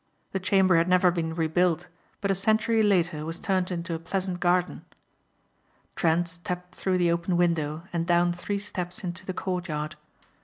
The chamber had never been rebuilt but a century later was turned into a pleasant garden. Trent stepped through the open window and down three steps into the courtyard.